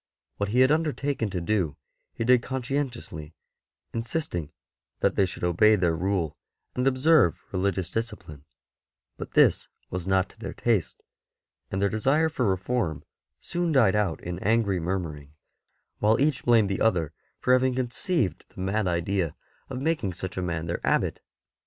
What he had undertaken to do he did con scientiously, insisting that they should obey their Rule and observe religious discipline; but this was not to their taste, and their desire for reform soon died out in angry murmuring, while each blamed the other for having conceived the mad idea of making such a man their Abbot.